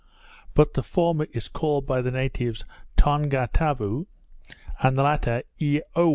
But the former is called by the natives Ton ga ta bu, and the latter Ea oo wee.